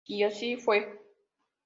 Y así fue.